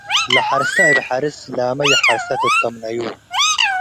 ለሐርሰ እብ ሐርስ - ላመ ይሐርሰ ትተምነዩ